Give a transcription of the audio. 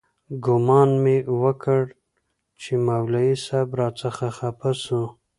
ګومان مې وکړ چې مولوي صاحب راڅخه خپه سو.